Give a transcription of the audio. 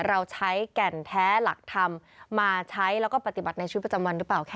เราใช้แก่นแท้หลักธรรมมาใช้แล้วก็ปฏิบัติในชีวิตประจำวันหรือเปล่าค่ะ